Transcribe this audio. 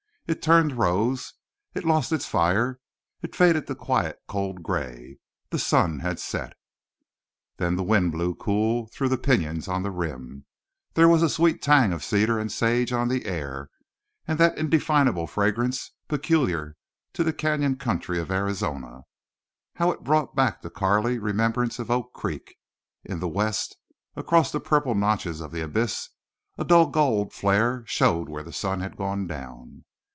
It turned rose, it lost its fire, it faded to quiet cold gray. The sun had set. Then the wind blew cool through the pinyons on the rim. There was a sweet tang of cedar and sage on the air and that indefinable fragrance peculiar to the canyon country of Arizona. How it brought back to Carley remembrance of Oak Creek! In the west, across the purple notches of the abyss, a dull gold flare showed where the sun had gone down.